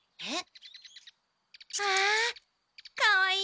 えっ？